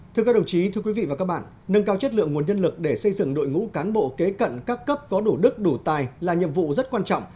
thưa các đồng chí thưa quý vị và các bạn nâng cao chất lượng nguồn nhân lực để xây dựng đội ngũ cán bộ kế cận các cấp có đủ đức đủ tài là nhiệm vụ rất quan trọng